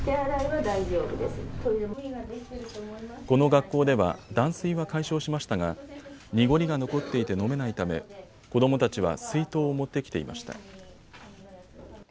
この学校では断水は解消しましたが濁りが残っていて飲めないため子どもたちは水筒を持ってきていました。